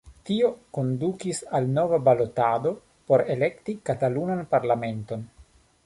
Tio kondukis al nova balotado por elekti Katalunan Parlamenton.